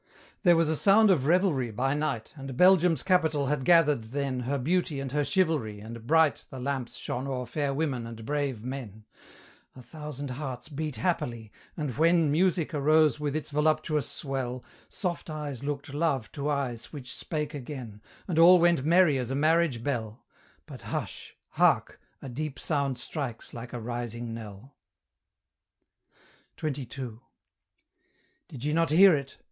There was a sound of revelry by night, And Belgium's capital had gathered then Her Beauty and her Chivalry, and bright The lamps shone o'er fair women and brave men; A thousand hearts beat happily; and when Music arose with its voluptuous swell, Soft eyes looked love to eyes which spake again, And all went merry as a marriage bell; But hush! hark! a deep sound strikes like a rising knell! XXII. Did ye not hear it?